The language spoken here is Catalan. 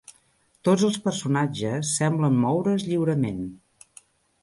Tots els personatges semblen moure's lliurement.